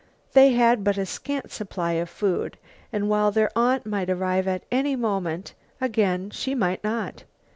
They had but a scant supply of food, and while their aunt might arrive at any moment, again she might not.